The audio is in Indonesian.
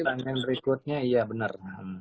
pertanyaan berikutnya ya benar